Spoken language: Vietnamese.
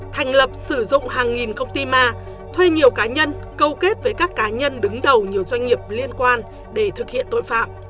thành lập sử dụng hàng nghìn công ty ma thuê nhiều cá nhân câu kết với các cá nhân đứng đầu nhiều doanh nghiệp liên quan để thực hiện tội phạm